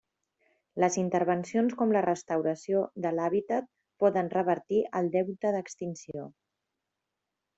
Les intervencions com la restauració de l'hàbitat poden revertir el deute d'extinció.